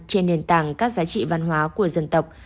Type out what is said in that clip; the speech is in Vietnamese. trên nền tảng các giá trị văn hóa của dân tộc